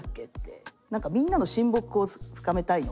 何かみんなの親睦を深めたいのか